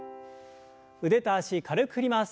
腕と脚軽く振ります。